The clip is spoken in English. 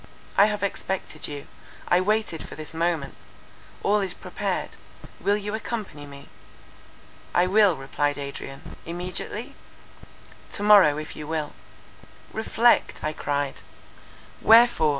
I have expected you. I waited for this moment; all is prepared;—will you accompany me?" "I will," replied Adrian. "Immediately?" "To morrow if you will." "Reflect!" I cried. "Wherefore?"